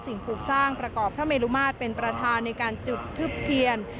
สิ่งปลูกสร้างประกอบพระเมลุมาตรเป็นประธานในการจุดทึบเทียน